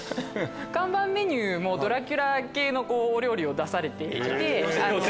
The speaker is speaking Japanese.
看板メニューもドラキュラ系のお料理を出されていて。